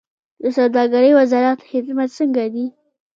د سوداګرۍ وزارت خدمات څنګه دي؟